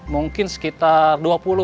mungkin sekitar dua puluh